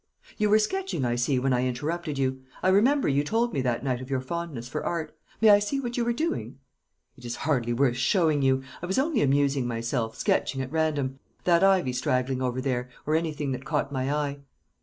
"You were sketching, I see, when I interrupted you. I remember you told me that night of your fondness for art. May I see what you were doing?" "It is hardly worth showing you. I was only amusing myself, sketching at random that ivy straggling along there, or anything that caught my eye."